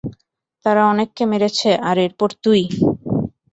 তারা অনেককে মেরেছে আর এরপর তুই!